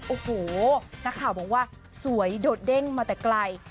โอ้โหนักข่าวบอกว่าสวยโดดเด้งมาแต่ไกล